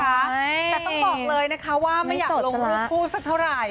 แต่ต้องบอกเลยนะคะว่าไม่อยากลงรูปคู่สักเท่าไหร่